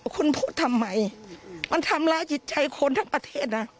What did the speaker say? คุณพูดทำไมมันทำร้ายจิตใจคนทั้งประเทศนะ